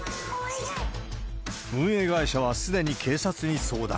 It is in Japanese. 運営会社はすでに警察に相談。